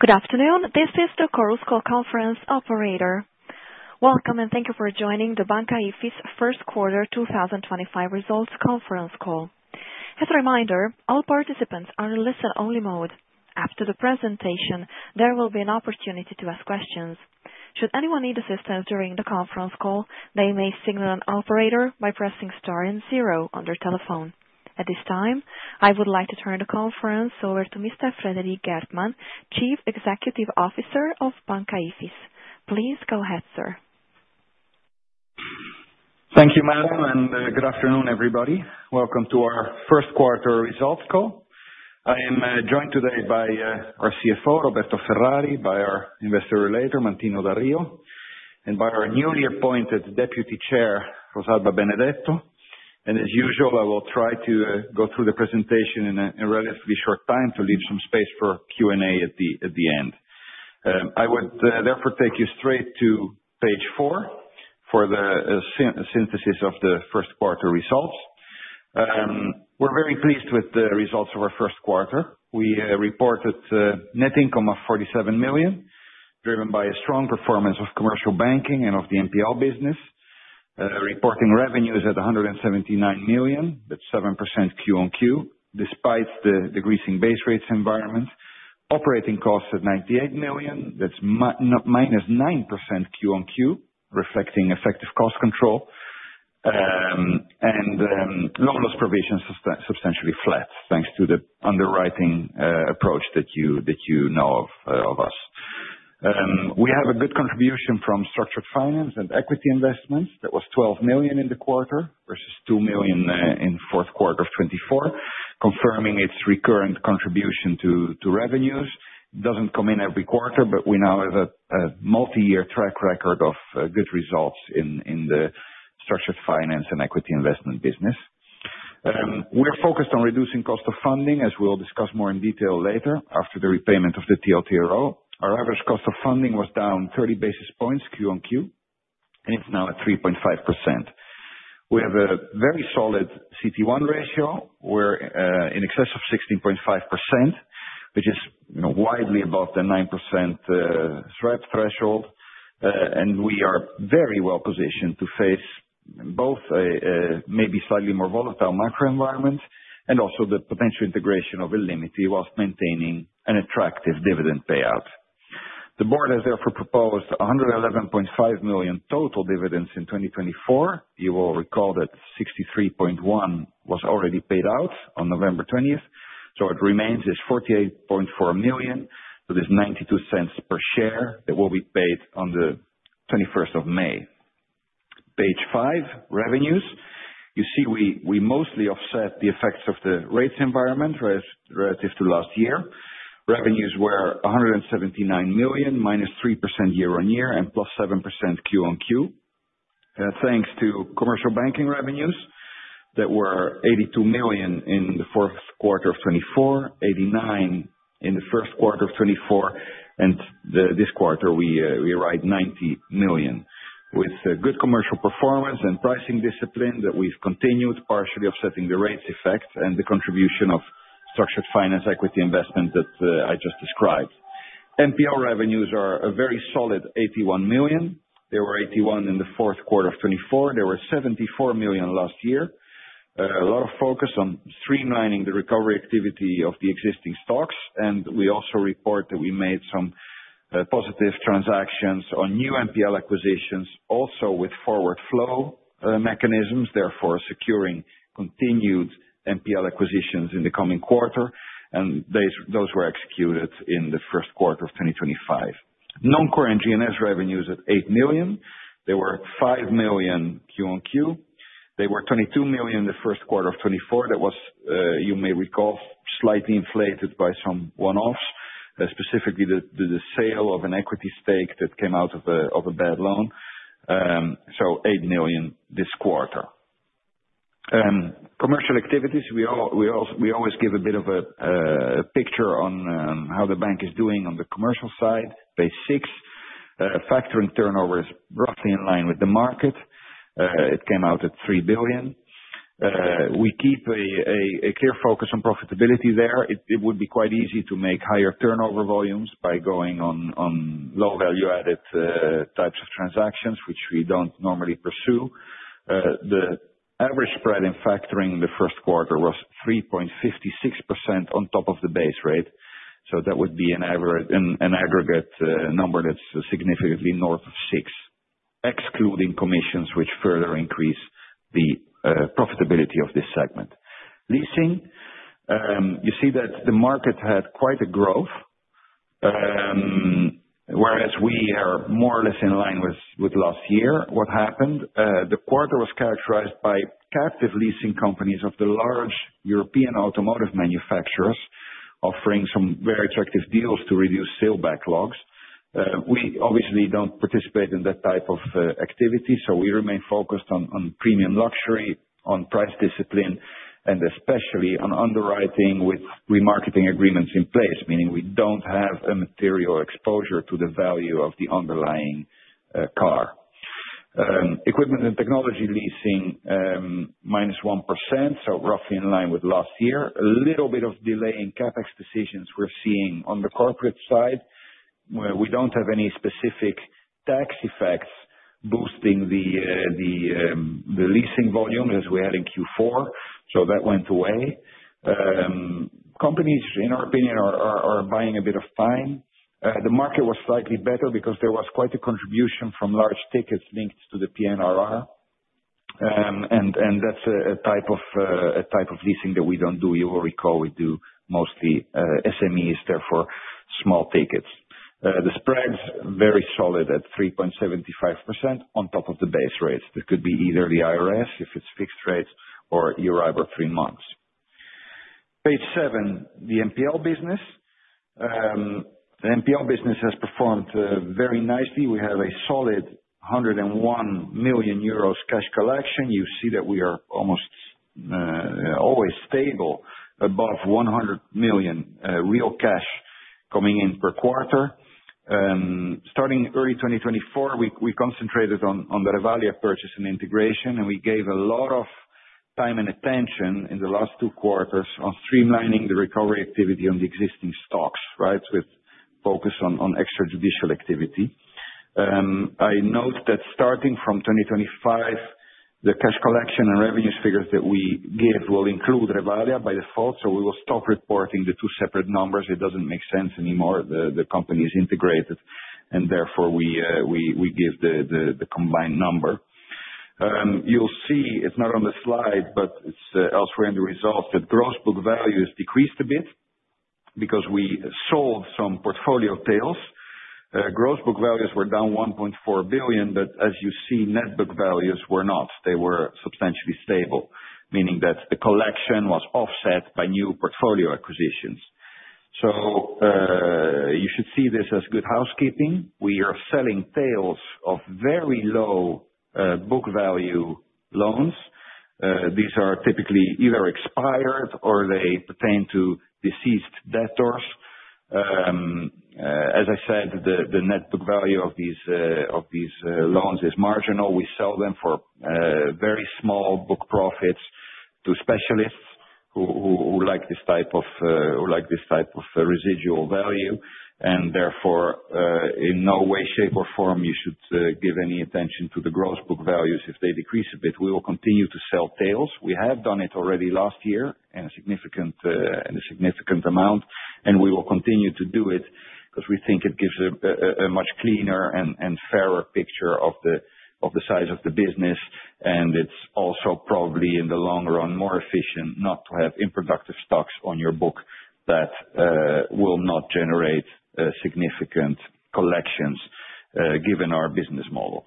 Good afternoon. This is the Chorus call conference operator. Welcome, and thank you for joining the Banca IFIS First Quarter 2025 Results Conference Call. As a reminder, all participants are in listen-only mode. After the presentation, there will be an opportunity to ask questions. Should anyone need assistance during the conference call, they may signal an operator by pressing star and zero on their telephone. At this time, I would like to turn the conference over to Mr. Frederik Geertman, Chief Executive Officer of Banca IFIS. Please go ahead, sir. Thank you, madam, and good afternoon, everybody. Welcome to our First Quarter Results Call. I am joined today by our CFO, Roberto Ferrari, by our Investor Relator, Martino Da Rio, and by our newly appointed Deputy Chair, Rosalba Benedetto. As usual, I will try to go through the presentation in a relatively short time to leave some space for Q&A at the end. I would therefore take you straight to page four for the synthesis of the First Quarter Results. We are very pleased with the results of our first quarter. We reported net income of 47 million, driven by a strong performance of commercial banking and of the MPL business, reporting revenues at 179 million, that's 7% Q-on-Q, despite the decreasing base rates environment, operating costs at 98 million, that's -9% Q-on-Q, reflecting effective cost control, and loan loss provision substantially flat, thanks to the underwriting approach that you know of us. We have a good contribution from structured finance and equity investments. That was 12 million in the quarter versus 2 million in the fourth quarter of 2024, confirming its recurrent contribution to revenues. It does not come in every quarter, but we now have a multi-year track record of good results in the structured finance and equity investment business. We are focused on reducing cost of funding, as we will discuss more in detail later after the repayment of the TLTRO. Our average cost of funding was down 30 basis points Q-on-Q, and it is now at 3.5%. We have a very solid CET1 ratio in excess of 16.5%, which is widely above the 9% threshold, and we are very well positioned to face both a maybe slightly more volatile macro environment and also the potential integration of Illimity while maintaining an attractive dividend payout. The board has therefore proposed 111.5 million total dividends in 2024. You will recall that 63.1 million was already paid out on November 20th, so what remains is 48.4 million, so that is 0.92 per share that will be paid on the 21st of May. Page five, revenues. You see we mostly offset the effects of the rates environment relative to last year. Revenues were 179 million, -3% year-on-year and plus 7% Q-on-Q, thanks to commercial banking revenues that were 82 million in the fourth quarter of 2024, 89 million in the first quarter of 2024, and this quarter we arrived at 90 million. With good commercial performance and pricing discipline that we've continued, partially offsetting the rates effect and the contribution of structured finance equity investment that I just described. MPL revenues are a very solid 81 million. They were 81 million in the fourth quarter of 2024. They were 74 million last year. A lot of focus on streamlining the recovery activity of the existing stocks, and we also report that we made some positive transactions on new MPL acquisitions, also with forward flow mechanisms, therefore securing continued MPL acquisitions in the coming quarter, and those were executed in the first quarter of 2025. Non-core and G&S revenues at 8 million. They were 5 million Q-on-Q. They were 22 million in the first quarter of 2024. That was, you may recall, slightly inflated by some one-offs, specifically the sale of an equity stake that came out of a bad loan. 8 million this quarter. Commercial activities, we always give a bit of a picture on how the bank is doing on the commercial side phase six, factoring turnover is roughly in line with the market. It came out at 3 billion. We keep a clear focus on profitability there. It would be quite easy to make higher turnover volumes by going on low value-added types of transactions, which we do not normally pursue. The average spread in factoring in the first quarter was 3.56% on top of the base rate, so that would be an aggregate number that's significantly north of six, excluding commissions, which further increase the profitability of this segment. Leasing. You see that the market had quite a growth, whereas we are more or less in line with last year. What happened? The quarter was characterized by captive leasing companies of the large European automotive manufacturers offering some very attractive deals to reduce sale backlogs. We obviously don't participate in that type of activity, so we remain focused on premium luxury, on price discipline, and especially on underwriting with remarketing agreements in place, meaning we don't have a material exposure to the value of the underlying car. Equipment and technology leasing -1%, so roughly in line with last year. A little bit of delay in CapEx decisions we're seeing on the corporate side. We don't have any specific tax effects boosting the leasing volumes as we had in Q4, so that went away. Companies, in our opinion, are buying a bit of time. The market was slightly better because there was quite a contribution from large tickets linked to the PNRR, and that's a type of leasing that we don't do. You will recall we do mostly SMEs, therefore small tickets. The spread's very solid at 3.75% on top of the base rates. This could be either the IRS if it's fixed rates or Euribor three months. Page seven, the MPL business. The MPL business has performed very nicely. We have a solid 101 million euros cash collection. You see that we are almost always stable above 100 million real cash coming in per quarter. Starting early 2024, we concentrated on the Revalia purchase and integration, and we gave a lot of time and attention in the last two quarters on streamlining the recovery activity on the existing stocks, right, with focus on extrajudicial activity. I note that starting from 2025, the cash collection and revenues figures that we give will include Revalia by default, so we will stop reporting the two separate numbers. It does not make sense anymore. The company is integrated, and therefore we give the combined number. You will see, it is not on the slide, but it is elsewhere in the results, that gross book value has decreased a bit because we sold some portfolio tails. Gross book values were down 1.4 billion, but as you see, net book values were not. They were substantially stable, meaning that the collection was offset by new portfolio acquisitions. You should see this as good housekeeping. We are selling tails of very low book value loans. These are typically either expired or they pertain to deceased debtors. As I said, the net book value of these loans is marginal. We sell them for very small book profits to specialists who like this type of residual value, and therefore, in no way, shape, or form, you should give any attention to the gross book values if they decrease a bit. We will continue to sell tails. We have done it already last year in a significant amount, and we will continue to do it because we think it gives a much cleaner and fairer picture of the size of the business, and it is also probably in the long run more efficient not to have improductive stocks on your book that will not generate significant collections given our business model.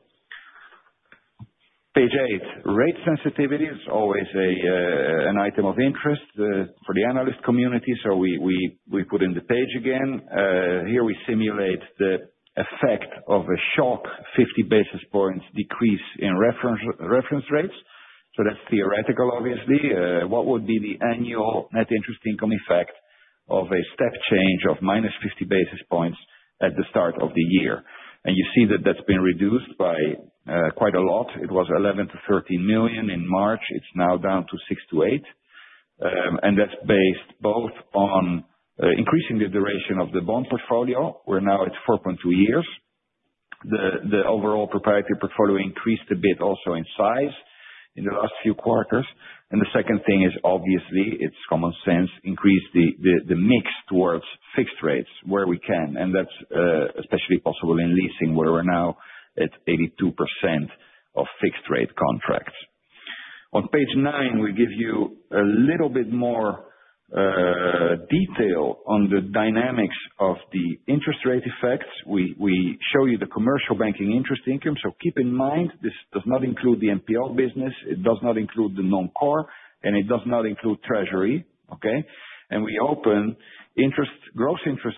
Page eight, rate sensitivity is always an item of interest for the analyst community, so we put in the page again. Here we simulate the effect of a shock 50 basis points decrease in reference rates. That is theoretical, obviously. What would be the annual net interest income effect of a step change of minus 50 basis points at the start of the year? You see that that has been reduced by quite a lot. It was 11 million to 13 million in March. It is now down to 6 million to 8 million, and that is based both on increasing the duration of the bond portfolio. We are now at 4.2 years. The overall proprietary portfolio increased a bit also in size in the last few quarters. The second thing is, obviously, it's common sense, increase the mix towards fixed rates where we can, and that's especially possible in leasing where we're now at 82% of fixed rate contracts. On page nine, we give you a little bit more detail on the dynamics of the interest rate effects. We show you the commercial banking interest income, so keep in mind this does not include the MPL business, it does not include the non-core, and it does not include treasury, okay? We open gross interest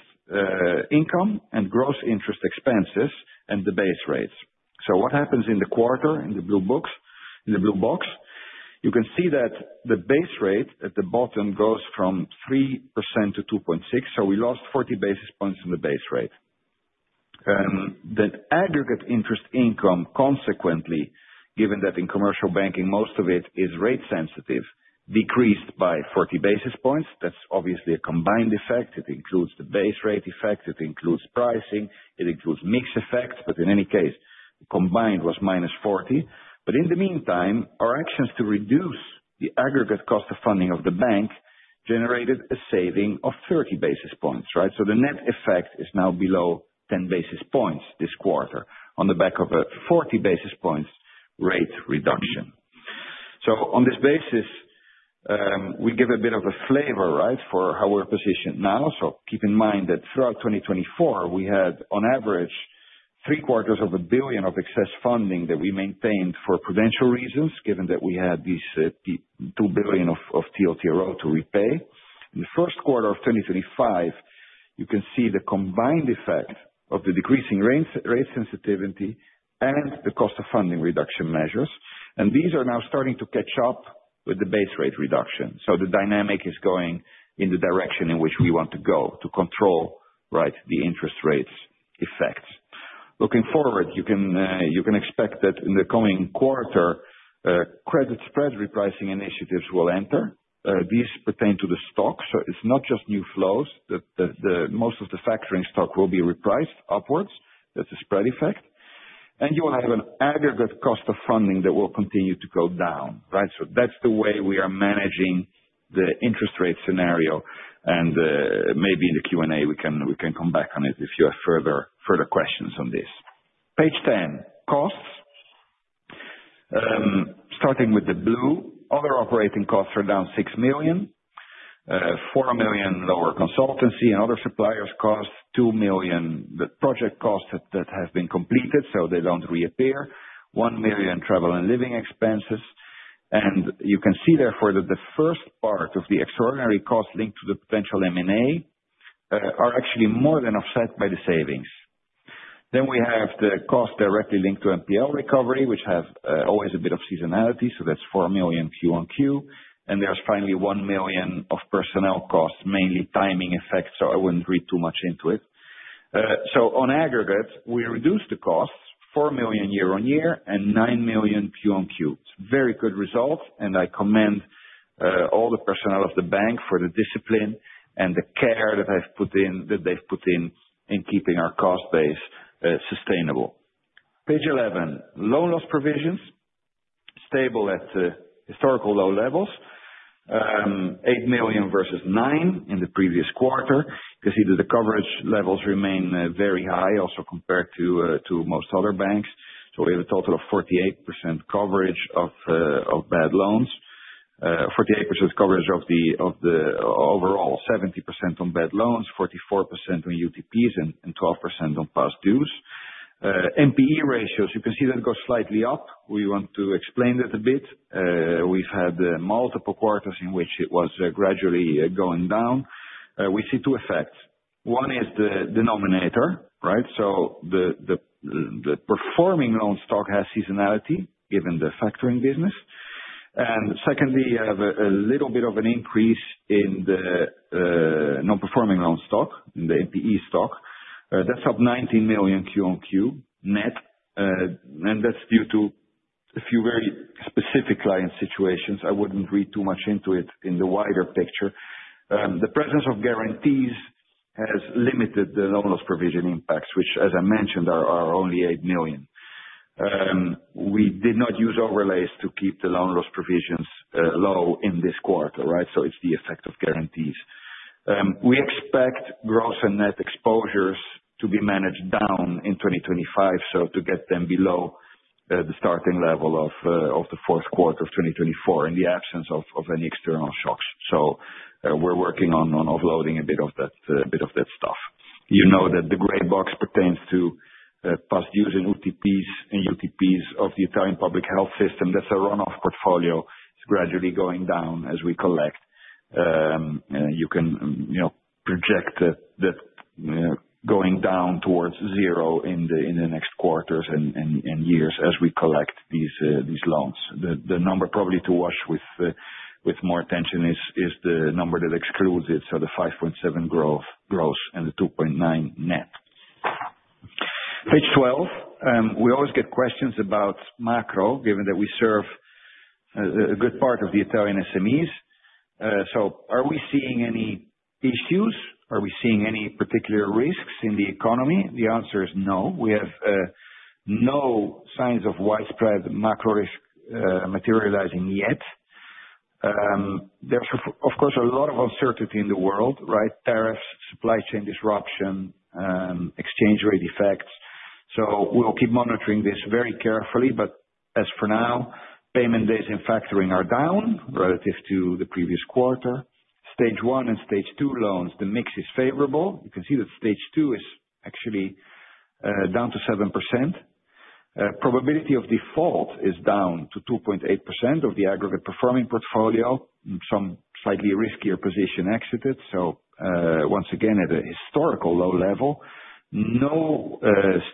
income and gross interest expenses and the base rates. What happens in the quarter in the blue books? In the blue box, you can see that the base rate at the bottom goes from 3% to 2.6%, so we lost 40 basis points in the base rate. The aggregate interest income consequently, given that in commercial banking most of it is rate sensitive, decreased by 40 basis points. That is obviously a combined effect. It includes the base rate effect. It includes pricing. It includes mix effects, but in any case, combined was -40. In the meantime, our actions to reduce the aggregate cost of funding of the bank generated a saving of 30 basis points, right? The net effect is now below 10 basis points this quarter on the back of a 40 basis points rate reduction. On this basis, we give a bit of a flavor, right, for how we are positioned now. Keep in mind that throughout 2024, we had on average three quarters of a billion of excess funding that we maintained for prudential reasons, given that we had these 2 billion of TLTRO to repay. In the first quarter of 2025, you can see the combined effect of the decreasing rate sensitivity and the cost of funding reduction measures, and these are now starting to catch up with the base rate reduction. The dynamic is going in the direction in which we want to go to control, right, the interest rates effects. Looking forward, you can expect that in the coming quarter, credit spread repricing initiatives will enter. These pertain to the stock, so it's not just new flows. Most of the factoring stock will be repriced upwards. That's a spread effect. You will have an aggregate cost of funding that will continue to go down, right? That's the way we are managing the interest rate scenario, and maybe in the Q&A we can come back on it if you have further questions on this. Page 10, costs. Starting with the blue, other operating costs are down 6 million. 4 million lower consultancy and other suppliers cost, 2 million the project costs that have been completed so they do not reappear, 1 million travel and living expenses. You can see therefore that the first part of the extraordinary costs linked to the potential M&A are actually more than offset by the savings. We have the costs directly linked to MPL recovery, which have always a bit of seasonality, so that is 4 million Q-on-Q, and there is finally 1 million of personnel costs, mainly timing effect, so I would not read too much into it. On aggregate, we reduced the costs 4 million year on year and 9 million Q-on-Q. It's very good results, and I commend all the personnel of the bank for the discipline and the care that they've put in in keeping our cost base sustainable. Page 11, loan loss provisions. Stable at historical low levels. 8 million versus 9 million in the previous quarter. You can see that the coverage levels remain very high also compared to most other banks, so we have a total of 48% coverage of bad loans. 48% coverage of the overall, 70% on bad loans, 44% on UTPs, and 12% on past dues. NPE ratios, you can see that go slightly up. We want to explain that a bit. We've had multiple quarters in which it was gradually going down. We see two effects. One is the denominator, right? So the performing loan stock has seasonality given the factoring business. Secondly, you have a little bit of an increase in the non-performing loan stock, in the NPE stock. That is up 19 million Q-on-Q net, and that is due to a few very specific client situations. I would not read too much into it in the wider picture. The presence of guarantees has limited the loan loss provision impacts, which, as I mentioned, are only 8 million. We did not use overlays to keep the loan loss provisions low in this quarter, right? It is the effect of guarantees. We expect gross and net exposures to be managed down in 2025, to get them below the starting level of the fourth quarter of 2024 in the absence of any external shocks. We are working on offloading a bit of that stuff. You know that the gray box pertains to past dues and UTPs of the Italian public health system. That's a runoff portfolio. It's gradually going down as we collect. You can project that going down towards zero in the next quarters and years as we collect these loans. The number probably to watch with more attention is the number that excludes it, so the 5.7 gross and the 2.9 net. Page 12, we always get questions about macro, given that we serve a good part of the Italian SMEs. Are we seeing any issues? Are we seeing any particular risks in the economy? The answer is no. We have no signs of widespread macro risk materializing yet. There is, of course, a lot of uncertainty in the world, right? Tariffs, supply chain disruption, exchange rate effects. We will keep monitoring this very carefully, but as for now, payment days in factoring are down relative to the previous quarter. Stage one and stage two loans, the mix is favorable. You can see that stage two is actually down to 7%. Probability of default is down to 2.8% of the aggregate performing portfolio. Some slightly riskier position exited, so once again at a historical low level. No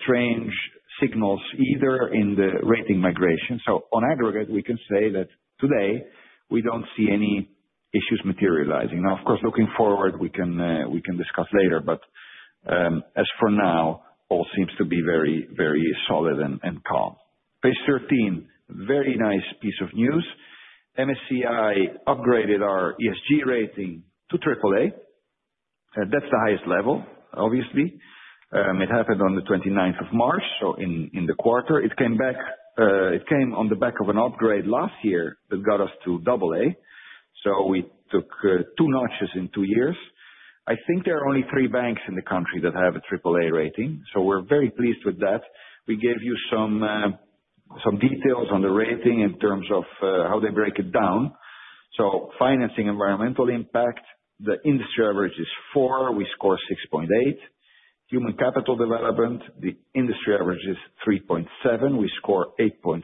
strange signals either in the rating migration. On aggregate, we can say that today we do not see any issues materializing. Now, of course, looking forward, we can discuss later, but as for now, all seems to be very solid and calm. Page 13, very nice piece of news. MSCI upgraded our ESG rating to AAA. That is the highest level, obviously. It happened on the 29th of March, so in the quarter. It came back. It came on the back of an upgrade last year that got us to AA. We took two notches in two years. I think there are only three banks in the country that have a AAA rating, so we're very pleased with that. We gave you some details on the rating in terms of how they break it down. Financing environmental impact, the industry average is 4. We score 6.8. Human capital development, the industry average is 3.7. We score 8.4.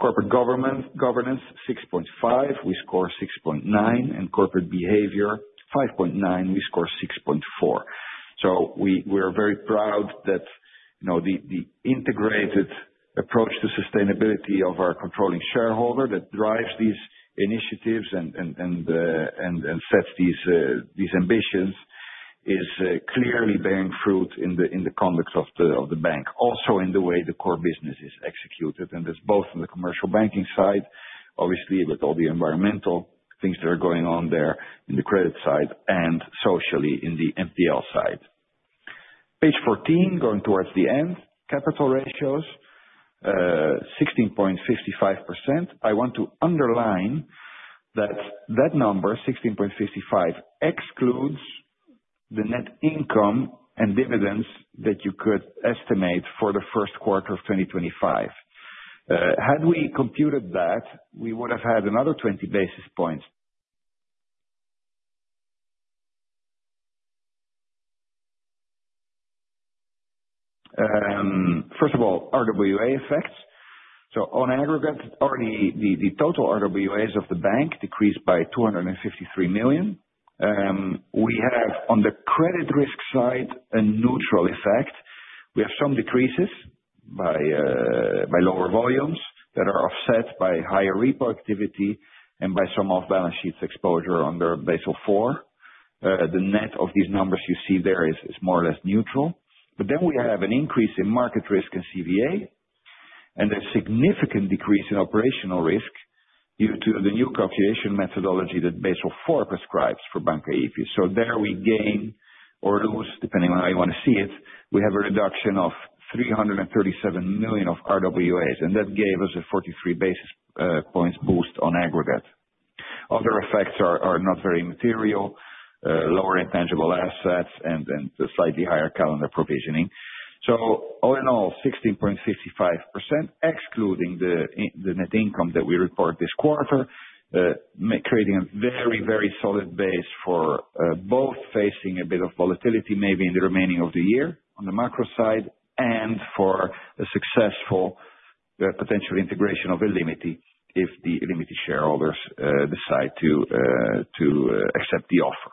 Corporate governance, 6.5. We score 6.9. Corporate behavior, 5.9. We score 6.4. We are very proud that the integrated approach to sustainability of our controlling shareholder that drives these initiatives and sets these ambitions is clearly bearing fruit in the conduct of the bank, also in the way the core business is executed. That is both on the commercial banking side, obviously, with all the environmental things that are going on there in the credit side and socially in the MPL side. Page 14, going towards the end, capital ratios, 16.55%. I want to underline that that number, 16.55%, excludes the net income and dividends that you could estimate for the first quarter of 2025. Had we computed that, we would have had another 20 basis points. First of all, RWA effects. On aggregate, the total RWAs of the bank decreased by 253 million. We have, on the credit risk side, a neutral effect. We have some decreases by lower volumes that are offset by higher repo activity and by some off-balance sheet exposure under Basel 4. The net of these numbers you see there is more or less neutral. There is an increase in market risk and CVA, and a significant decrease in operational risk due to the new calculation methodology that Basel 4 prescribes for Banca IFIS. There we gain or lose, depending on how you want to see it, we have a reduction of 337 million of RWAs, and that gave us a 43 basis points boost on aggregate. Other effects are not very material: lower intangible assets and slightly higher calendar provisioning. All in all, 16.55%, excluding the net income that we report this quarter, creating a very, very solid base for both facing a bit of volatility maybe in the remaining of the year on the macro side and for a successful potential integration of Illimity if the Illimity shareholders decide to accept the offer.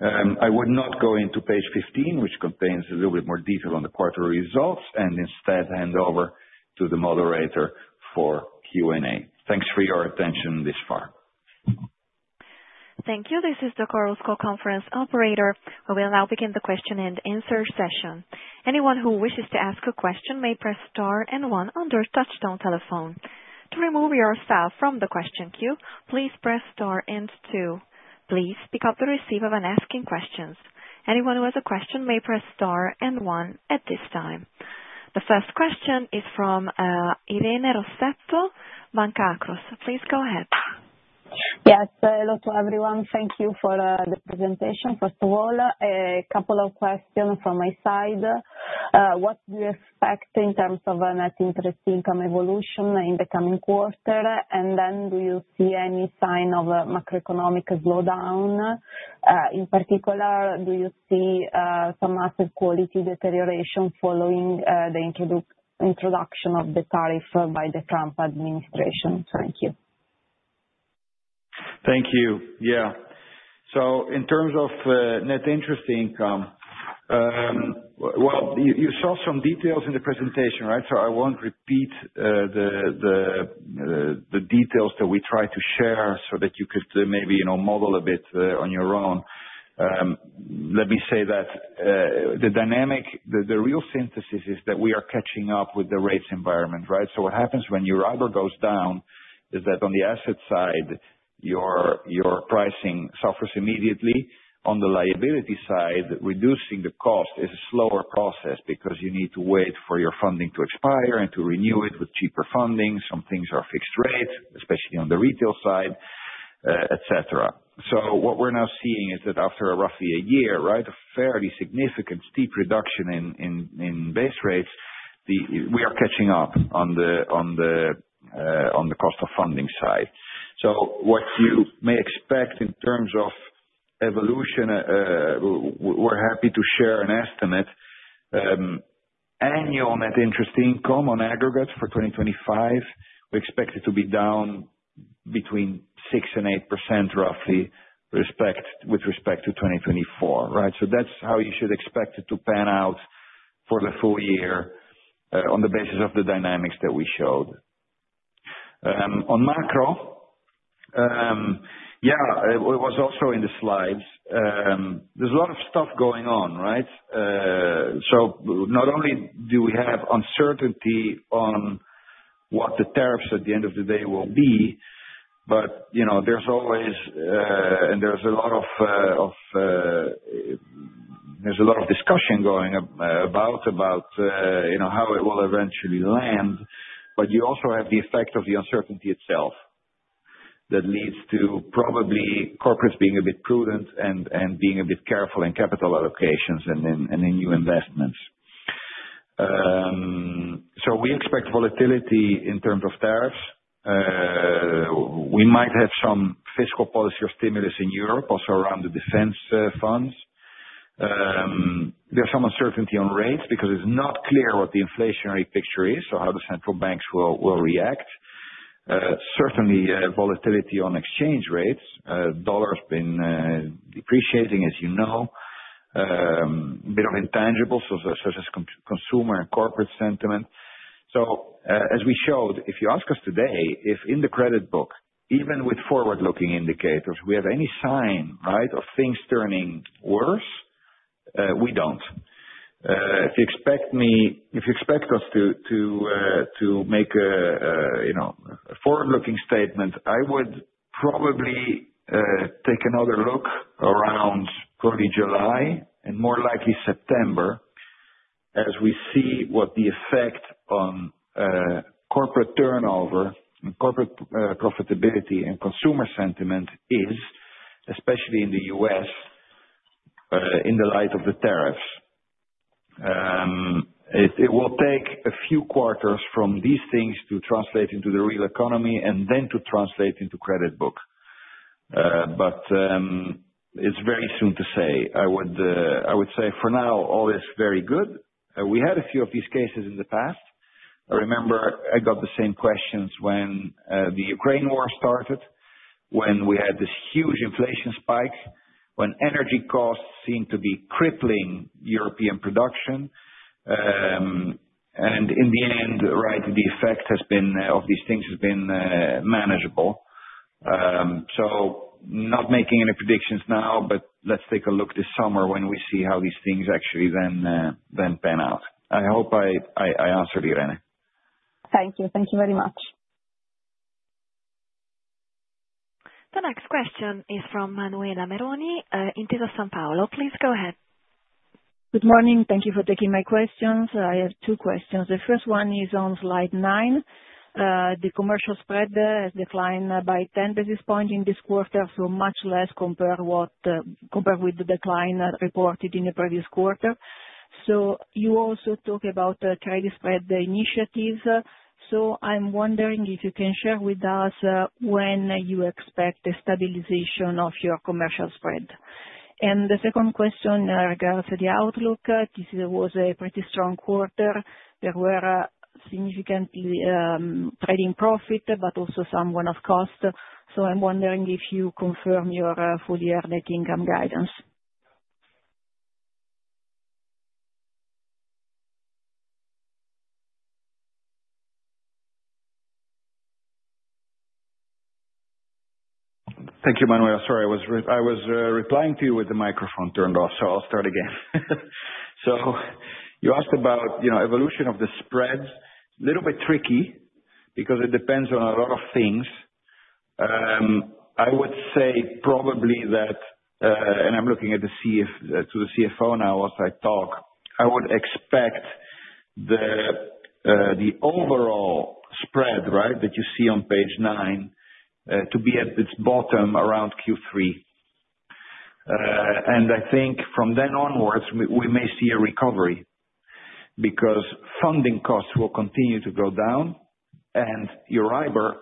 I would not go into page 15, which contains a little bit more detail on the quarterly results, and instead hand over to the moderator for Q&A. Thanks for your attention this far. Thank you. This is the Chorus Conference operator. We will now begin the question and answer session. Anyone who wishes to ask a question may press star and one on their touchtone telephone. To remove yourself from the question queue, please press star and two. Please pick up the receiver when asking questions. Anyone who has a question may press star and one at this time. The first question is from Irene Rossetto, Banca Akros. Please go ahead. Yes, hello to everyone. Thank you for the presentation. First of all, a couple of questions from my side. What do you expect in terms of net interest income evolution in the coming quarter? Do you see any sign of macroeconomic slowdown? In particular, do you see some asset quality deterioration following the introduction of the tariff by the Trump administration? Thank you. Thank you. Yeah. In terms of net interest income, you saw some details in the presentation, right? I will not repeat the details that we tried to share so that you could maybe model a bit on your own. Let me say that the dynamic, the real synthesis is that we are catching up with the rates environment, right? What happens when your IBOR goes down is that on the asset side, your pricing suffers immediately. On the liability side, reducing the cost is a slower process because you need to wait for your funding to expire and to renew it with cheaper funding. Some things are fixed rates, especially on the retail side, etc. What we are now seeing is that after roughly a year, a fairly significant steep reduction in base rates, we are catching up on the cost of funding side. What you may expect in terms of evolution, we're happy to share an estimate. Annual net interest income on aggregate for 2025, we expect it to be down between 6% and 8% roughly with respect to 2024, right? That's how you should expect it to pan out for the full year on the basis of the dynamics that we showed. On macro, yeah, it was also in the slides. There's a lot of stuff going on, right? Not only do we have uncertainty on what the tariffs at the end of the day will be, but there's always, and there's a lot of, there's a lot of discussion going about how it will eventually land, but you also have the effect of the uncertainty itself that leads to probably corporates being a bit prudent and being a bit careful in capital allocations and in new investments. We expect volatility in terms of tariffs. We might have some fiscal policy or stimulus in Europe, also around the defense funds. There is some uncertainty on rates because it is not clear what the inflationary picture is or how the central banks will react. Certainly, volatility on exchange rates. Dollar's been depreciating, as you know. A bit of intangibles, such as consumer and corporate sentiment. As we showed, if you ask us today if in the credit book, even with forward-looking indicators, we have any sign, right, of things turning worse, we do not. If you expect us to make a forward-looking statement, I would probably take another look around probably July and more likely September as we see what the effect on corporate turnover and corporate profitability and consumer sentiment is, especially in the U.S., in the light of the tariffs. It will take a few quarters for these things to translate into the real economy and then to translate into credit book. It is very soon to say. I would say for now, all is very good. We had a few of these cases in the past. I remember I got the same questions when the Ukraine war started, when we had this huge inflation spike, when energy costs seemed to be crippling European production. In the end, the effect of these things has been manageable. I am not making any predictions now, but let's take a look this summer when we see how these things actually then pan out. I hope I answered you, Irene. Thank you. Thank you very much. The next question is from Manuela Meroni in Intesa Sanpaolo. Please go ahead. Good morning. Thank you for taking my questions. I have two questions. The first one is on slide nine. The commercial spread has declined by 10 basis points in this quarter, so much less compared with the decline reported in the previous quarter. You also talk about credit spread initiatives. I am wondering if you can share with us when you expect the stabilization of your commercial spread. The second question regards the outlook. This was a pretty strong quarter. There were significant trading profits, but also some one-off costs. I am wondering if you confirm your full-year net income guidance. Thank you, Manuel. Sorry, I was replying to you with the microphone turned off, so I will start again. You asked about evolution of the spreads. A little bit tricky because it depends on a lot of things. I would say probably that, and I'm looking at the CFO now as I talk, I would expect the overall spread, right, that you see on page nine to be at its bottom around Q3. I think from then onwards, we may see a recovery because funding costs will continue to go down, and your IBOR,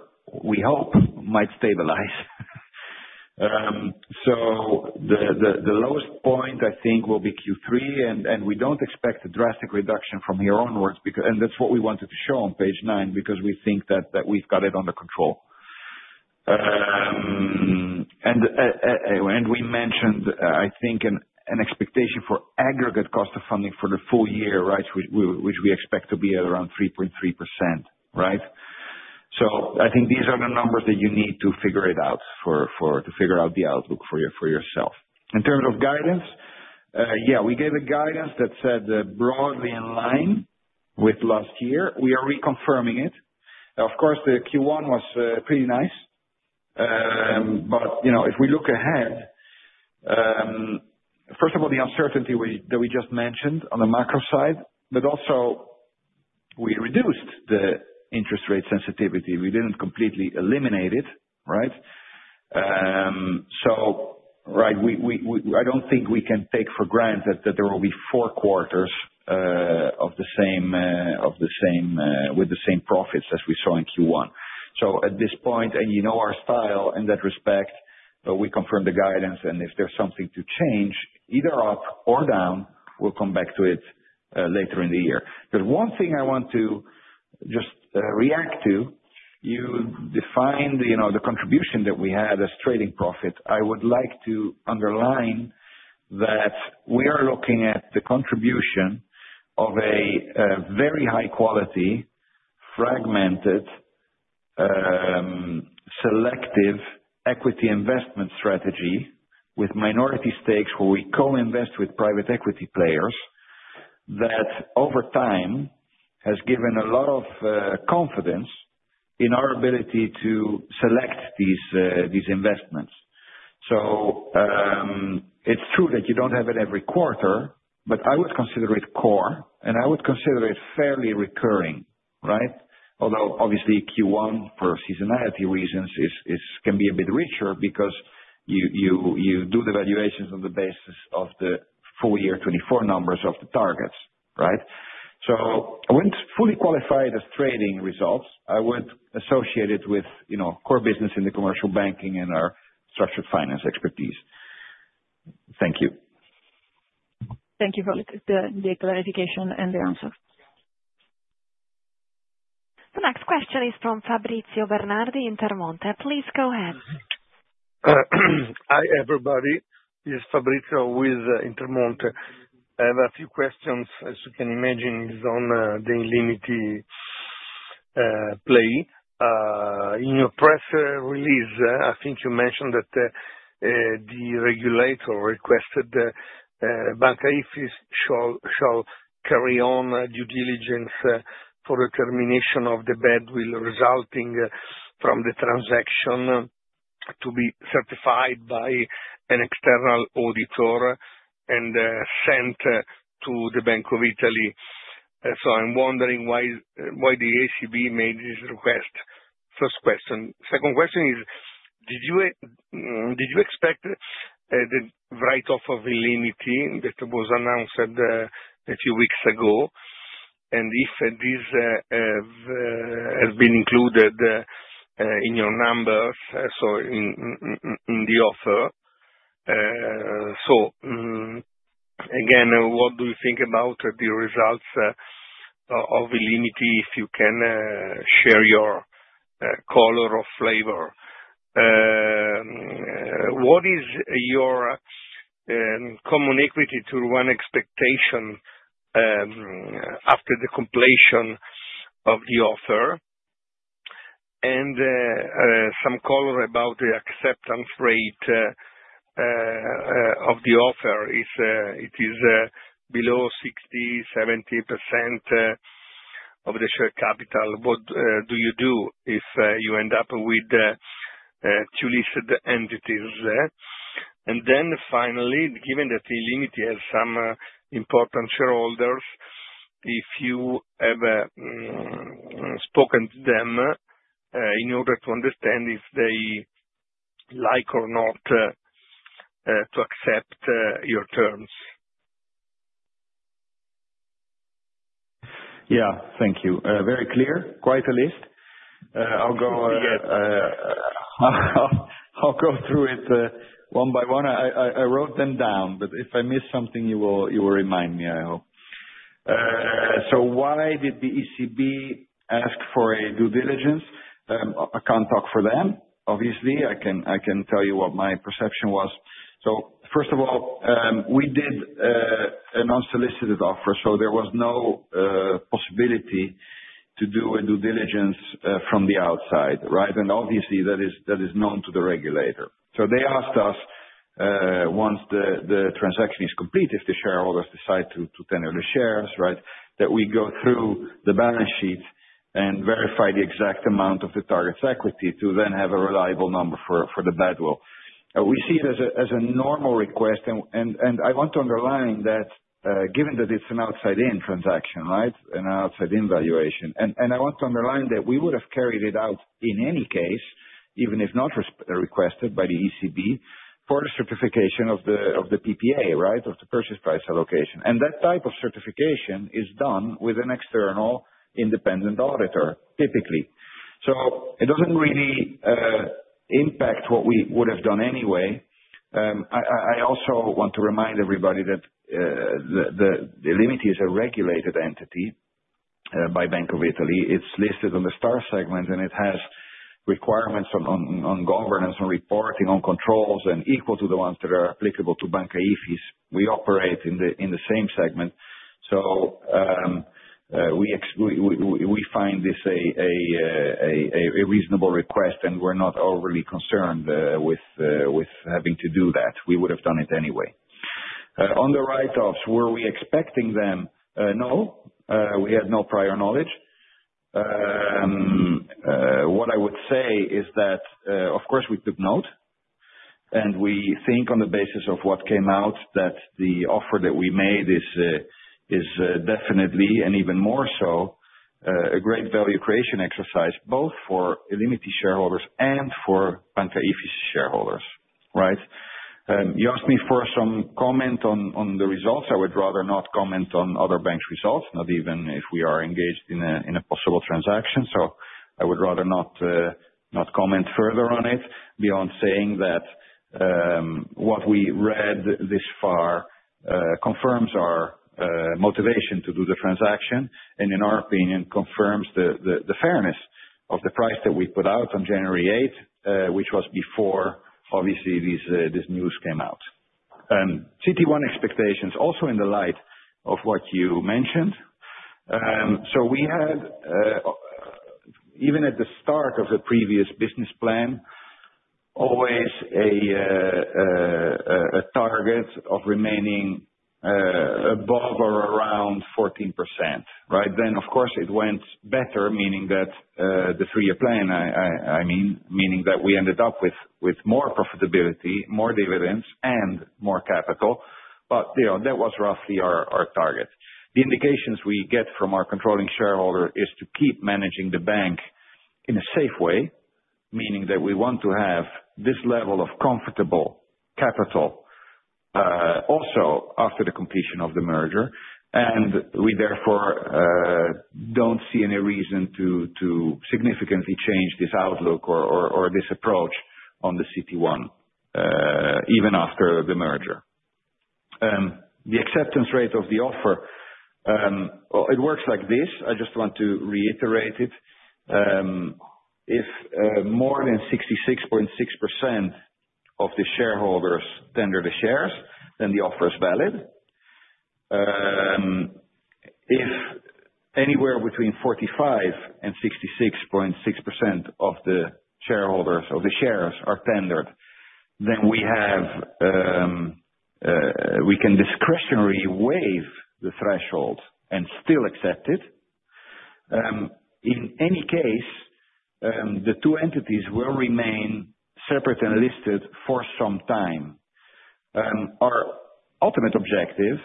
we hope, might stabilize. The lowest point, I think, will be Q3, and we do not expect a drastic reduction from here onwards, and that is what we wanted to show on page nine because we think that we have got it under control. We mentioned, I think, an expectation for aggregate cost of funding for the full year, right, which we expect to be at around 3.3%, right? I think these are the numbers that you need to figure it out, to figure out the outlook for yourself. In terms of guidance, yeah, we gave a guidance that said broadly in line with last year. We are reconfirming it. Of course, the Q1 was pretty nice, but if we look ahead, first of all, the uncertainty that we just mentioned on the macro side, but also we reduced the interest rate sensitivity. We did not completely eliminate it, right? Right, I do not think we can take for granted that there will be four quarters of the same with the same profits as we saw in Q1. At this point, and you know our style in that respect, we confirm the guidance, and if there is something to change, either up or down, we will come back to it later in the year. One thing I want to just react to, you defined the contribution that we had as trading profit. I would like to underline that we are looking at the contribution of a very high-quality, fragmented, selective equity investment strategy with minority stakes where we co-invest with private equity players that over time has given a lot of confidence in our ability to select these investments. It is true that you do not have it every quarter, but I would consider it core, and I would consider it fairly recurring, right? Although, obviously, Q1, for seasonality reasons, can be a bit richer because you do the valuations on the basis of the full-year 2024 numbers of the targets, right? I would not fully qualify it as trading results. I would associate it with core business in the commercial banking and our structured finance expertise. Thank you. Thank you for the clarification and the answer. The next question is from Fabrizio Bernardi at Intermonte. Please go ahead. Hi, everybody. This is Fabrizio with Intermonte. I have a few questions. As you can imagine, he's on the Illimity play. In your press release, I think you mentioned that the regulator requested Banca IFIS shall carry on due diligence for the termination of the badwill resulting from the transaction to be certified by an external auditor and sent to the Bank of Italy. I am wondering why the ECB made this request. First question. Second question is, did you expect the write-off of Illimity that was announced a few weeks ago, and if this has been included in your numbers, in the offer? What do you think about the results of Illimity if you can share your color or flavor? What is your common equity to run expectation after the completion of the offer? And some color about the acceptance rate of the offer. It is below 60%-70% of the share capital. What do you do if you end up with two listed entities? Finally, given that Illimity has some important shareholders, if you have spoken to them in order to understand if they like or not to accept your terms? Yeah. Thank you. Very clear. Quite a list. I'll go through it one by one. I wrote them down, but if I miss something, you will remind me, I hope. Why did the ECB ask for a due diligence? I can't talk for them, obviously. I can tell you what my perception was. First of all, we did an unsolicited offer, so there was no possibility to do a due diligence from the outside, right? Obviously, that is known to the regulator. They asked us, once the transaction is complete, if the shareholders decide to tenure the shares, right, that we go through the balance sheet and verify the exact amount of the target's equity to then have a reliable number for the badwill. We see it as a normal request, and I want to underline that given that it is an outside-in transaction, right, and an outside-in valuation, and I want to underline that we would have carried it out in any case, even if not requested by the ECB, for the certification of the PPA, right, of the purchase price allocation. That type of certification is done with an external independent auditor, typically. It does not really impact what we would have done anyway. I also want to remind everybody that illimity is a regulated entity by Bank of Italy. It's listed on the STAR segment, and it has requirements on governance, on reporting, on controls, and equal to the ones that are applicable to Banca IFIS. We operate in the same segment. We find this a reasonable request, and we're not overly concerned with having to do that. We would have done it anyway. On the write-offs, were we expecting them? No. We had no prior knowledge. What I would say is that, of course, we took note, and we think on the basis of what came out that the offer that we made is definitely, and even more so, a great value creation exercise both for Illimity shareholders and for Banca IFIS shareholders, right? You asked me for some comment on the results. I would rather not comment on other banks' results, not even if we are engaged in a possible transaction. I would rather not comment further on it beyond saying that what we read this far confirms our motivation to do the transaction, and in our opinion, confirms the fairness of the price that we put out on January 8th, which was before, obviously, this news came out. CET1 ratio expectations, also in the light of what you mentioned. We had, even at the start of the previous business plan, always a target of remaining above or around 14%, right? Of course, it went better, meaning that the three-year plan, I mean, meaning that we ended up with more profitability, more dividends, and more capital. That was roughly our target. The indications we get from our controlling shareholder is to keep managing the bank in a safe way, meaning that we want to have this level of comfortable capital also after the completion of the merger, and we therefore do not see any reason to significantly change this outlook or this approach on the CET1, even after the merger. The acceptance rate of the offer, it works like this. I just want to reiterate it. If more than 66.6% of the shareholders tender the shares, then the offer is valid. If anywhere between 45% and 66.6% of the shareholders or the shares are tendered, then we can discretionarily waive the threshold and still accept it. In any case, the two entities will remain separate and listed for some time. Our ultimate objective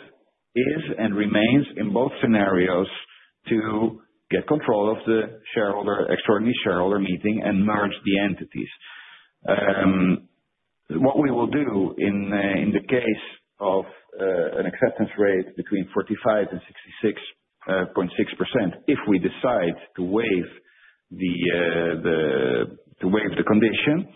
is and remains in both scenarios to get control of the extraordinary shareholder meeting and merge the entities. What we will do in the case of an acceptance rate between 45% and 66.6%, if we decide to waive the condition,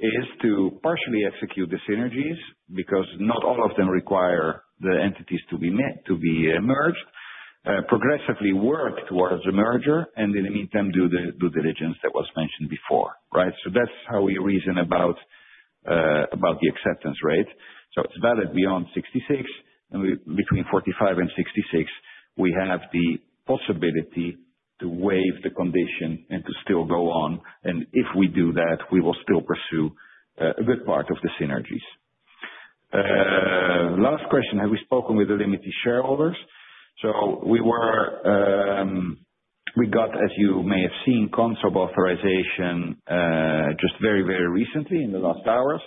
is to partially execute the synergies because not all of them require the entities to be merged, progressively work towards the merger, and in the meantime, do the due diligence that was mentioned before, right? That is how we reason about the acceptance rate. It is valid beyond 66%, and between 45% and 66%, we have the possibility to waive the condition and to still go on. If we do that, we will still pursue a good part of the synergies. Last question. Have we spoken with Illimity shareholders? We got, as you may have seen, CONSOB authorization just very, very recently in the last hours.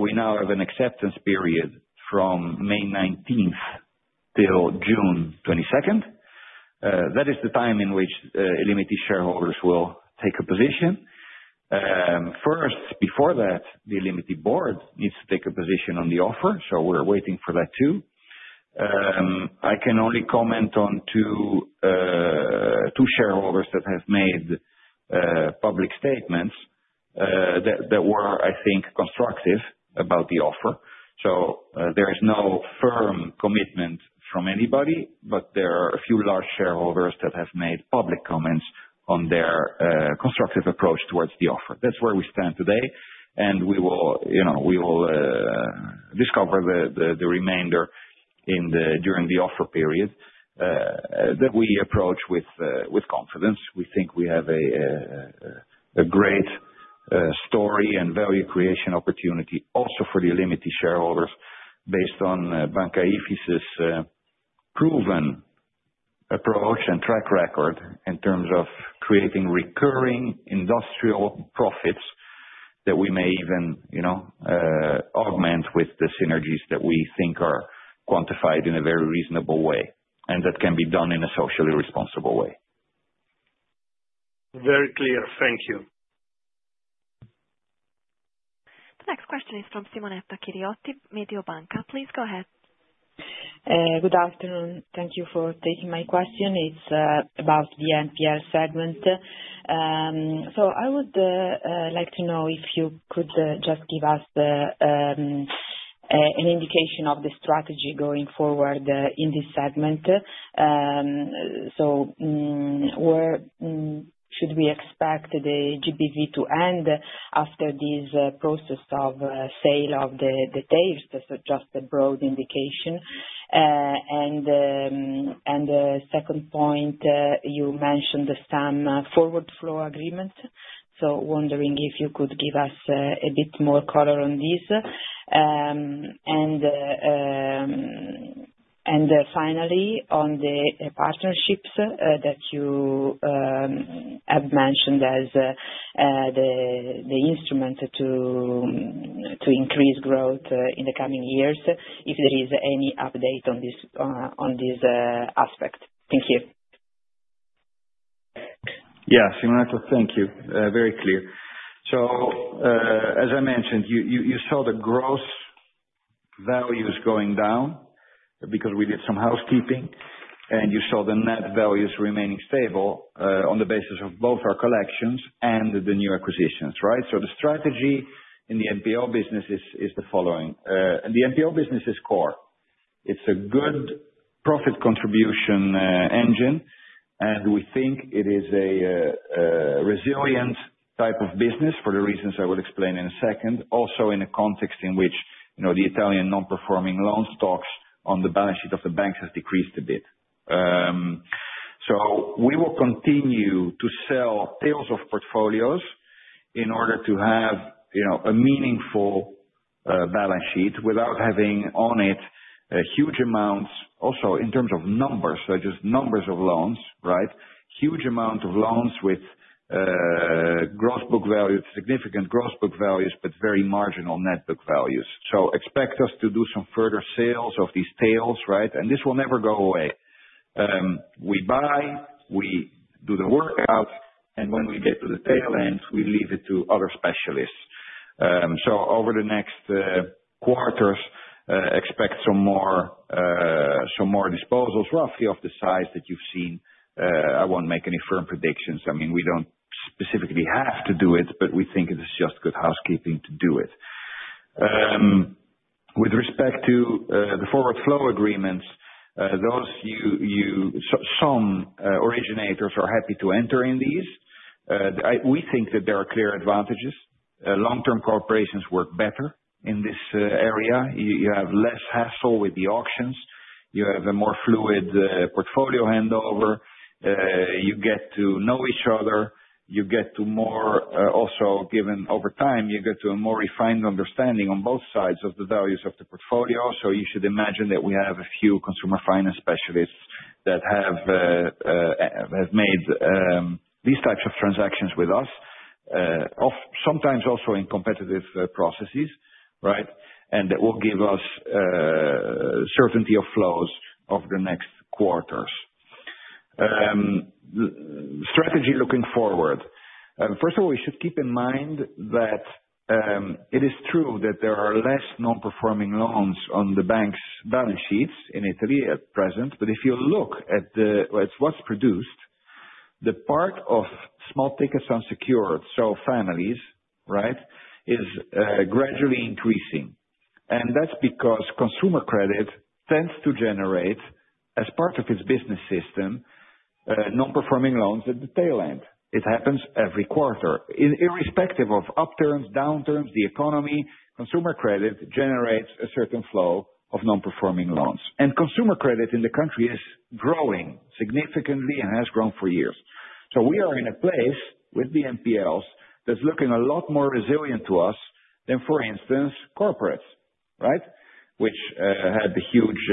We now have an acceptance period from May 19th till June 22nd. That is the time in which Illimity shareholders will take a position. First, before that, the Illimity board needs to take a position on the offer, so we're waiting for that too. I can only comment on two shareholders that have made public statements that were, I think, constructive about the offer. There is no firm commitment from anybody, but there are a few large shareholders that have made public comments on their constructive approach towards the offer. That's where we stand today, and we will discover the remainder during the offer period that we approach with confidence. We think we have a great story and value creation opportunity also for the Illimity shareholders based on Banca IFIS's proven approach and track record in terms of creating recurring industrial profits that we may even augment with the synergies that we think are quantified in a very reasonable way, and that can be done in a socially responsible way. Very clear. Thank you. The next question is from Simonetta Chiriotti, Mediobanca. Please go ahead. Good afternoon. Thank you for taking my question. It is about the NPL segment. I would like to know if you could just give us an indication of the strategy going forward in this segment. Should we expect the GBV to end after this process of sale of the tails? That is just a broad indication. The second point, you mentioned some forward flow agreements. Wondering if you could give us a bit more color on this. Finally, on the partnerships that you have mentioned as the instrument to increase growth in the coming years, if there is any update on this aspect. Thank you. Yeah. Simonetta, thank you. Very clear. As I mentioned, you saw the gross values going down because we did some housekeeping, and you saw the net values remaining stable on the basis of both our collections and the new acquisitions, right? The strategy in the NPO business is the following. The NPO business is core. It is a good profit contribution engine, and we think it is a resilient type of business for the reasons I will explain in a second, also in a context in which the Italian non-performing loan stocks on the balance sheet of the banks have decreased a bit. We will continue to sell tails of portfolios in order to have a meaningful balance sheet without having on it huge amounts, also in terms of numbers, so just numbers of loans, right? Huge amount of loans with significant gross book values, but very marginal net book values. Expect us to do some further sales of these tails, right? This will never go away. We buy, we do the workout, and when we get to the tail end, we leave it to other specialists. Over the next quarters, expect some more disposals, roughly of the size that you have seen. I will not make any firm predictions. I mean, we do not specifically have to do it, but we think it is just good housekeeping to do it. With respect to the forward flow agreements, some originators are happy to enter in these. We think that there are clear advantages. Long-term corporations work better in this area. You have less hassle with the auctions. You have a more fluid portfolio handover. You get to know each other. You get to, more also, given over time, you get to a more refined understanding on both sides of the values of the portfolio. You should imagine that we have a few consumer finance specialists that have made these types of transactions with us, sometimes also in competitive processes, right? That will give us certainty of flows over the next quarters. Strategy looking forward. First of all, we should keep in mind that it is true that there are less non-performing loans on the bank's balance sheets in Italy at present. If you look at what is produced, the part of small tickets unsecured, so families, right, is gradually increasing. That is because consumer credit tends to generate, as part of its business system, non-performing loans at the tail end. It happens every quarter. Irrespective of upturns, downturns, the economy, consumer credit generates a certain flow of non-performing loans. Consumer credit in the country is growing significantly and has grown for years. We are in a place with the NPLs that is looking a lot more resilient to us than, for instance, corporates, which had the huge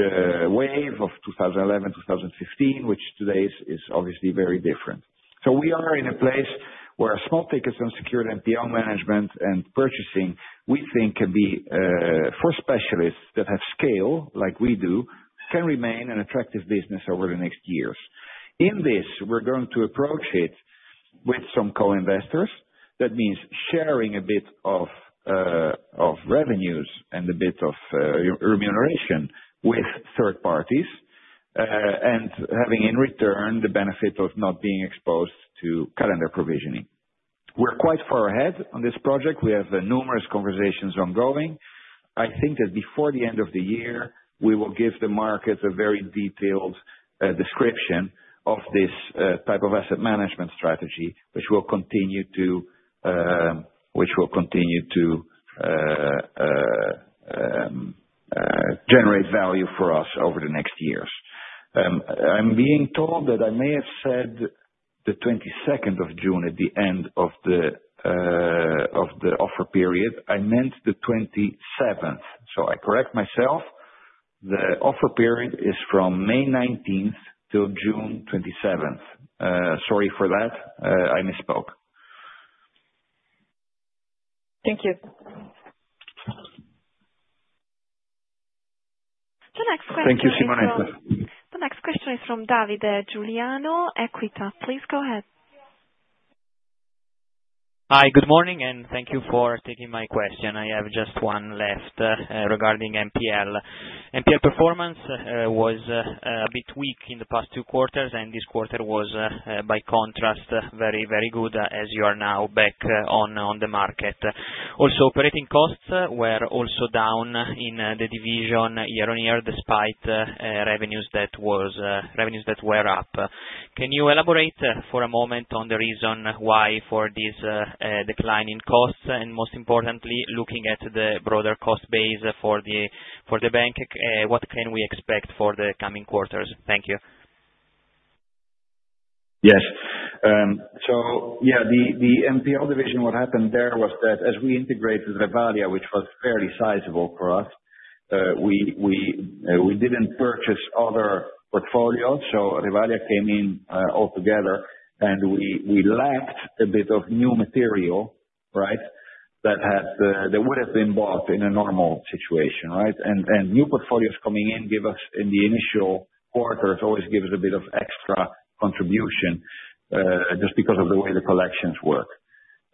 wave of 2011-2015, which today is obviously very different. We are in a place where small tickets unsecured, NPL management, and purchasing, we think can be for specialists that have scale like we do, can remain an attractive business over the next years. In this, we are going to approach it with some co-investors. That means sharing a bit of revenues and a bit of remuneration with third parties and having in return the benefit of not being exposed to calendar provisioning. We're quite far ahead on this project. We have numerous conversations ongoing. I think that before the end of the year, we will give the market a very detailed description of this type of asset management strategy, which will continue to generate value for us over the next years. I'm being told that I may have said the 22nd of June at the end of the offer period. I meant the 27th. So I correct myself. The offer period is from May 19th to June 27th. Sorry for that. I misspoke. Thank you. The next question is from. Thank you, Simonetta. The next question is from Davide Giuliano, Equita. Please go ahead. Hi. Good morning, and thank you for taking my question. I have just one left regarding NPL. NPL performance was a bit weak in the past two quarters, and this quarter was, by contrast, very, very good as you are now back on the market. Also, operating costs were also down in the division year on year despite revenues that were up. Can you elaborate for a moment on the reason why for this decline in costs? Most importantly, looking at the broader cost base for the bank, what can we expect for the coming quarters? Thank you. Yes. Yeah, the NPL division, what happened there was that as we integrated Revalia, which was fairly sizable for us, we did not purchase other portfolios. Revalia came in altogether, and we lacked a bit of new material, right, that would have been bought in a normal situation, right? New portfolios coming in, give us in the initial quarters, always gives a bit of extra contribution just because of the way the collections work.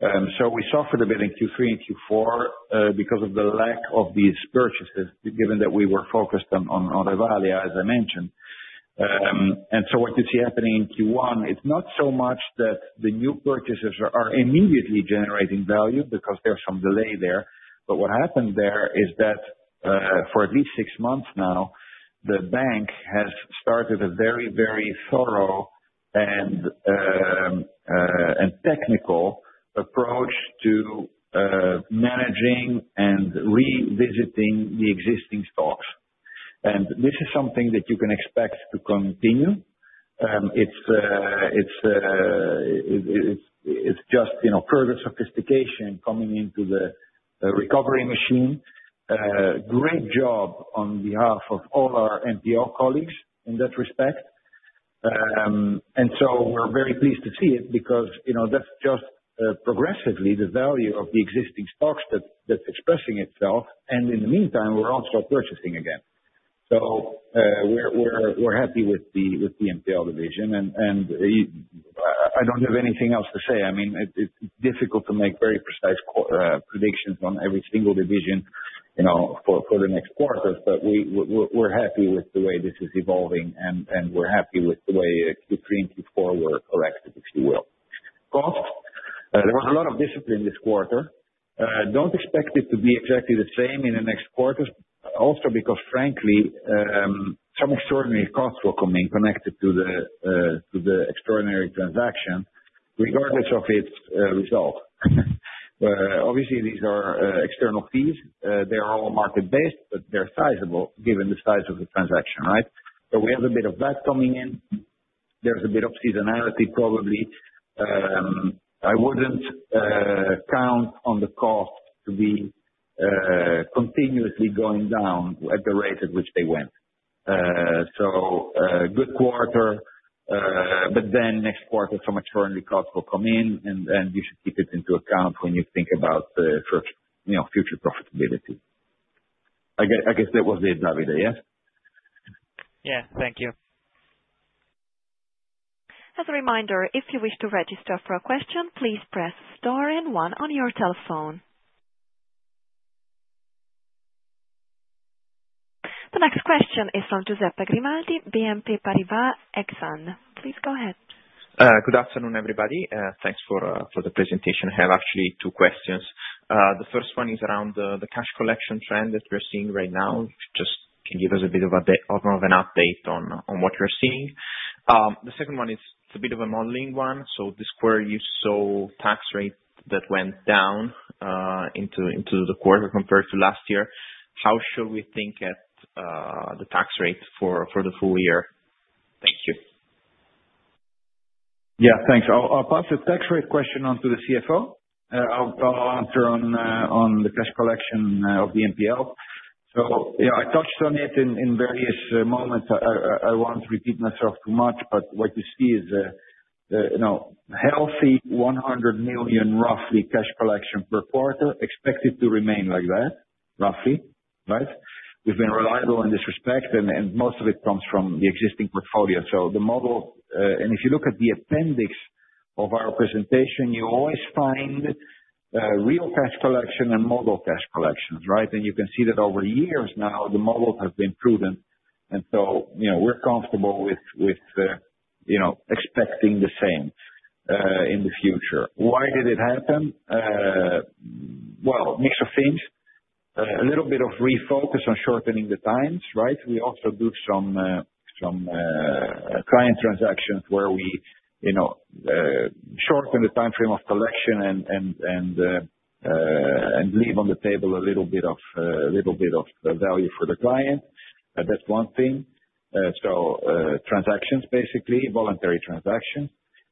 We suffered a bit in Q3 and Q4 because of the lack of these purchases, given that we were focused on Revalia, as I mentioned. What you see happening in Q1, it's not so much that the new purchases are immediately generating value because there's some delay there. What happened there is that for at least six months now, the bank has started a very, very thorough and technical approach to managing and revisiting the existing stocks. This is something that you can expect to continue. It's just further sophistication coming into the recovery machine. Great job on behalf of all our NPL colleagues in that respect. We're very pleased to see it because that's just progressively the value of the existing stocks that's expressing itself. In the meantime, we're also purchasing again. We're happy with the NPO division. I don't have anything else to say. I mean, it's difficult to make very precise predictions on every single division for the next quarter, but we're happy with the way this is evolving, and we're happy with the way Q3 and Q4 were corrected, if you will. Costs. There was a lot of discipline this quarter. Don't expect it to be exactly the same in the next quarter, also because, frankly, some extraordinary costs were coming connected to the extraordinary transaction, regardless of its result. Obviously, these are external fees. They are all market-based, but they're sizable given the size of the transaction, right? We have a bit of that coming in. There's a bit of seasonality probably. I wouldn't count on the cost to be continuously going down at the rate at which they went. Good quarter, but then next quarter, some extraordinary costs will come in, and you should keep it into account when you think about future profitability. I guess that was it, Davide, yes? Yeah. Thank you. As a reminder, if you wish to register for a question, please press star and one on your telephone. The next question is from Giuseppe Grimaldi, BNP Paribas Exane. Please go ahead. Good afternoon, everybody. Thanks for the presentation. I have actually two questions. The first one is around the cash collection trend that we're seeing right now. Just can give us a bit of an update on what you're seeing. The second one is a bit of a modeling one. This quarter, you saw tax rate that went down into the quarter compared to last year. How should we think at the tax rate for the full year? Thank you. Yeah. Thanks. I'll pass the tax rate question on to the CFO. I'll answer on the cash collection of the NPL. Yeah, I touched on it in various moments. I won't repeat myself too much, but what you see is a healthy 100 million, roughly, cash collection per quarter. Expect it to remain like that, roughly, right? We've been reliable in this respect, and most of it comes from the existing portfolio. The model, and if you look at the appendix of our presentation, you always find real cash collection and model cash collections, right? You can see that over years now, the models have been prudent. We are comfortable with expecting the same in the future. Why did it happen? A mix of things. A little bit of refocus on shortening the times, right? We also do some client transactions where we shorten the timeframe of collection and leave on the table a little bit of value for the client. That is one thing. Transactions, basically, voluntary transactions.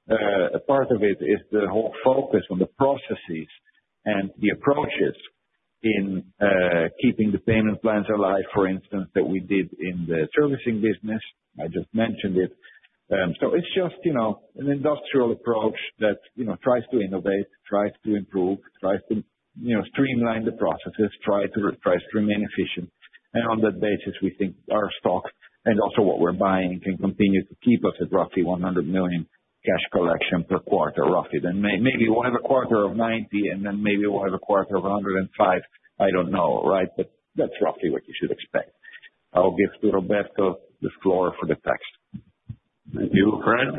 A part of it is the whole focus on the processes and the approaches in keeping the payment plans alive, for instance, that we did in the servicing business. I just mentioned it. It is just an industrial approach that tries to innovate, tries to improve, tries to streamline the processes, tries to remain efficient. On that basis, we think our stock and also what we are buying can continue to keep us at roughly 100 million cash collection per quarter, roughly. Maybe we will have a quarter of 90 million, and then maybe we will have a quarter of 105. I do not know, right? That is roughly what you should expect. I will give Roberto the floor for the text. Thank you, Fred.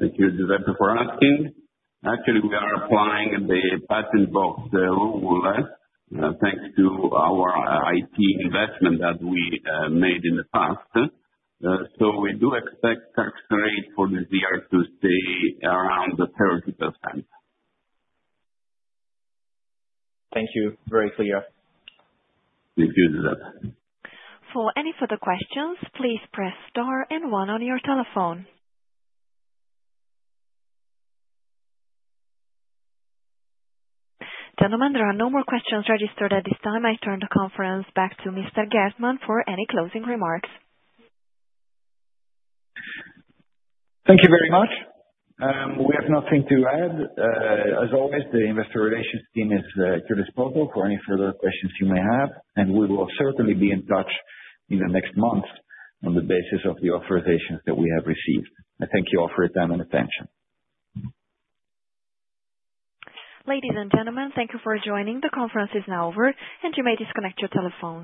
Thank you, Giuseppe, for asking. Actually, we are applying the patent box rule thanks to our IT investment that we made in the past. We do expect tax rate for this year to stay around the 30%. Thank you. Very clear. Thank you, Giuseppe. For any further questions, please press star and one on your telephone. Gentlemen, there are no more questions registered at this time. I turn the conference back to Mr. Geertman for any closing remarks. Thank you very much. We have nothing to add. As always, the investor relations team is here to support you for any further questions you may have. We will certainly be in touch in the next month on the basis of the authorizations that we have received. I thank you all for your time and attention. Ladies and gentlemen, thank you for joining. The conference is now over, and you may disconnect your telephones.